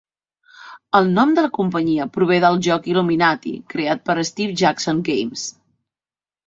El nom de la companyia prové del joc Illuminati creat per Steve Jackson Games.